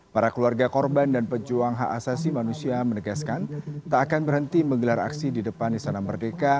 para keluarga korban dan pejuang hak asasi manusia menegaskan tak akan berhenti menggelar aksi di depan istana merdeka